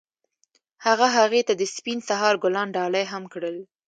هغه هغې ته د سپین سهار ګلان ډالۍ هم کړل.